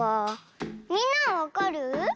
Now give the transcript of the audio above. みんなはわかる？